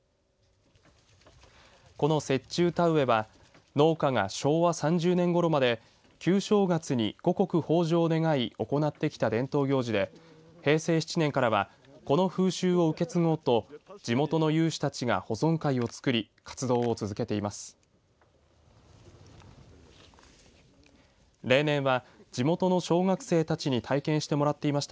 この雪中田植えは農家が昭和３０年ごろまで旧正月に五穀豊じょうを願い行ってきた伝統行事で平成７年からはこの風習を受け継ごうと地元の有志たちが保存会をつくり活動を続けています。